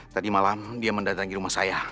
tadi malam dia mendatangi rumah saya